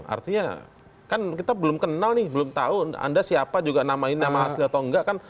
artinya kan kita belum kenal nih belum tahu anda siapa juga namainya namahasli atau enggak kan